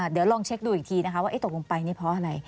เดี๋ยวลองเช็คดูอีกทีนะคะว่าตกลงไปนี่เพราะอะไร